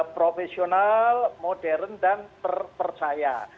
profesional modern dan terpercaya